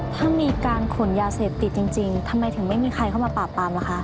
ถ้ามีการขนยาเสพติดจริงทำไมถึงไม่มีใครเข้ามาปราบปรามล่ะคะ